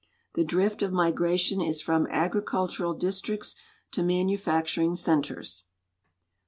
The drift of migration is from agricultural districts to manufacturing centers.